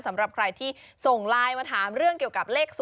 สำหรับใครที่ส่งไลน์มาถามเรื่องเกี่ยวกับเลข๐